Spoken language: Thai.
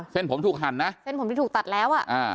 เส้นผมที่ถูกตัดแล้ว